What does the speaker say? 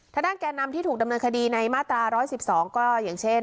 ด้านแก่นำที่ถูกดำเนินคดีในมาตรา๑๑๒ก็อย่างเช่น